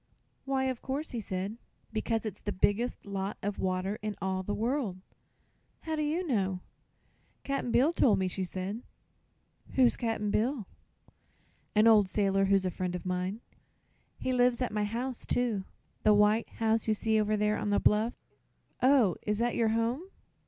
"Why of course?" he asked. "Because it's the biggest lot of water in all the world." "How do you know?" "Cap'n Bill told me," she said. "Who's Cap'n Bill?" "An old sailorman who's a friend of mine. He lives at my house, too the white house you see over there on the bluff." "Oh; is that your home?"